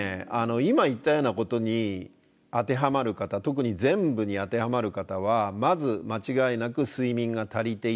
今言ったようなことに当てはまる方特に全部に当てはまる方はまず間違いなく睡眠が足りていない。